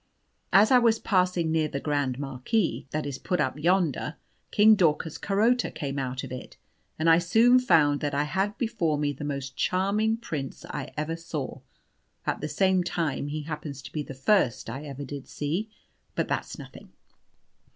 As I was passing near the grand marquee that is put up yonder, King Daucus Carota came out of it, and I soon found that I had before me the most charming prince I ever saw at the same time he happens to be the first I ever did see; but that's nothing.